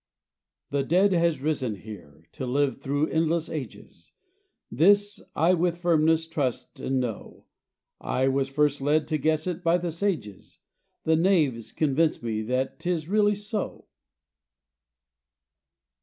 The dead has risen here, to live through endless ages; This I with firmness trust and know. I was first led to guess it by the sages, The knaves convince me that 'tis really so.